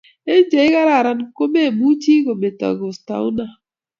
Eng che ikararan komemuchi kometo kostuanan